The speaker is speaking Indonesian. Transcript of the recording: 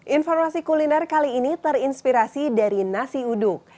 informasi kuliner kali ini terinspirasi dari nasi uduk